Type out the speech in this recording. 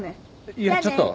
いやちょっと。